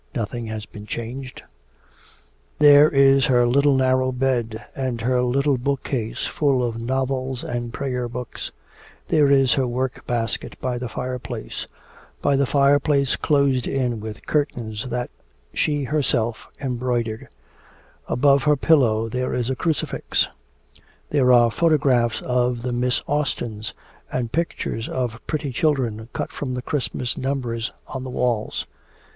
Nothing has been changed. There is her little narrow bed, and her little book case full of novels and prayer books; there is her work basket by the fireplace, by the fireplace closed in with curtains that she herself embroidered; above her pillow there is a crucifix; there are photographs of the Miss Austins, and pictures of pretty children, cut from the Christmas numbers, on the walls.